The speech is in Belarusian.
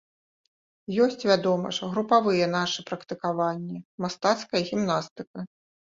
Ёсць, вядома ж, групавыя нашыя практыкаванні, мастацкая гімнастыка.